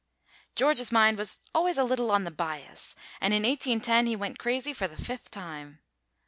George's mind was always a little on the bias, and in 1810 he went crazy for the fifth time.